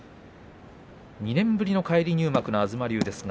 ２年ぶりの返り入幕の東龍。